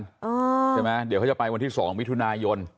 ใช่ไหมเดี๋ยวเขาจะไปวันที่๒มิถุนายน